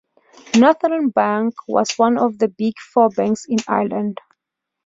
Northern Bank was one of the Big Four banks in Ireland.